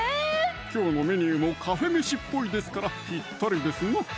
きょうのメニューもカフェメシっぽいですからぴったりですな！